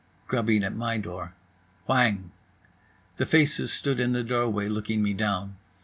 Grubbing at my door. Whang! The faces stood in the doorway, looking me down.